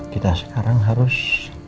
kita sekarang harus